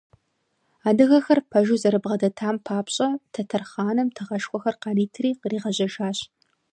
Адыгэхэр пэжу зэрыбгъэдэтам папщӏэ, тэтэр хъаным тыгъэшхуэхэр къаритри къригъэжьэжащ.